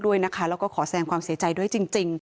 ด้วยนะคะแล้วก็ขอแสงความเสียใจด้วยจริง